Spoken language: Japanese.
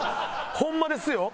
ホンマですよ！